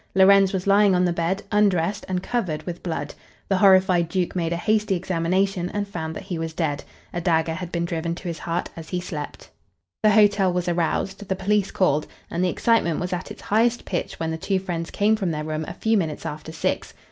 Lorenz was lying on the bed, undressed and covered with blood. The horrified duke made a hasty examination and found that he was dead. A dagger had been driven to his heart as he slept. The hotel was aroused, the police called, and the excitement was at its highest pitch when the two friends came from their room a few minutes after six.